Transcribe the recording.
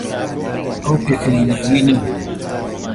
ئەو پێکەنیناوی نەبوو.